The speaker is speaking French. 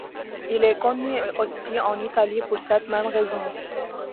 Il est connu aussi en Italie pour cette même raison.